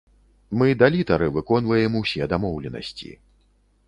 Мы да літары выконваем усе дамоўленасці.